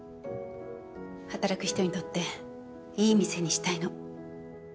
働く人にとっていい店にしたいの。